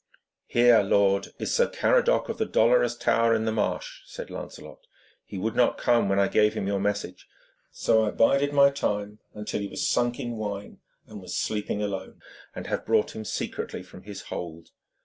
'Here, lord, is Sir Caradoc of the Dolorous Tower in the Marsh,' said Lancelot. 'He would not come when I gave him your message, so I bided my time until he was sunk in wine, and was sleeping alone, and I have brought him secretly from his hold.